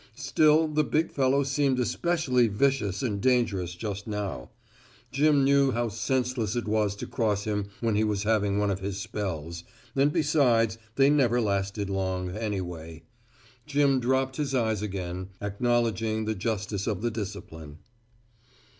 Still the big fellow seemed especially vicious and dangerous just now; Jim knew how senseless it was to cross him when he was having one of his spells, and besides, they never lasted long, anyway. Jim dropped his eyes again, acknowledging the justice of the discipline.